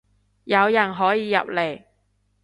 有人可以入嚟